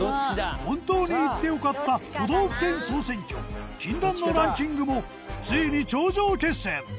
本当に行って良かった都道府県総選挙禁断のランキングもついに頂上決戦。